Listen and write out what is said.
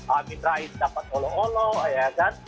amin raih dapat allah allah ya kan